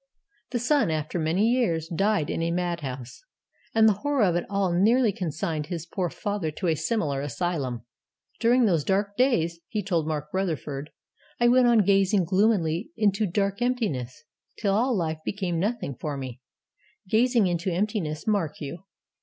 The son, after many years, died in a mad house; and the horror of it all nearly consigned his poor father to a similar asylum. 'During those dark days,' he told Mark Rutherford, 'I went on gazing gloomily into dark emptiness, till all life became nothing for me.' Gazing into emptiness, mark you!